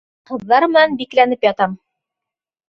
Ҡыҙҙар менән бикләнеп ятам!